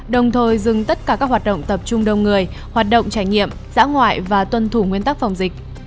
đồng thời dừng tất cả các hoạt động tập trung đông người hoạt động trải nghiệm dã ngoại và tuân thủ nguyên tắc phòng dịch